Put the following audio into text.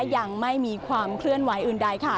ยังไม่มีความเคลื่อนไหวอื่นใดค่ะ